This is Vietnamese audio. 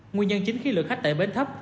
nguyên nhân chính khi lượt khách tại bến thấp